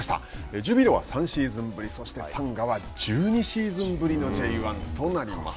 ジュビロは３シーズンぶりサンガは１２シーズンぶりのＪ１となります。